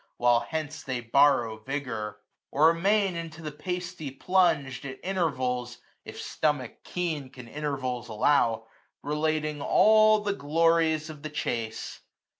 While hence they borrow vigour : or amain Into the pasty plung'd, at intervals, If stomach keen can intervals allow, 510 Relating all the glories of the chase.